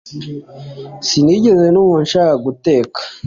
sinigeze numva nshaka guteka